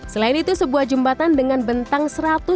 selain itu sebuah jembatan dengan bentang seratus juta meter